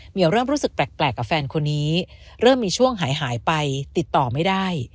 วเริ่มรู้สึกแปลกกับแฟนคนนี้เริ่มมีช่วงหายไปติดต่อไม่ได้